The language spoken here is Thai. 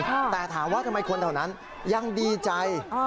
แต่ถามว่าทำไมคนแถวนั้นยังดีใจ